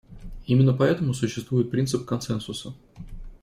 Именно поэтому существует принцип консенсуса.